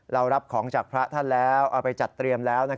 รับของจากพระท่านแล้วเอาไปจัดเตรียมแล้ว